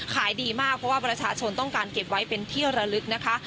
ขายดีมากเพราะว่าประชาชนต้องการเก็บไว้เป็นที่ระลึกนะคะ